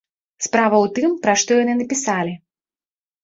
Справа ў тым, пра што яны напісалі.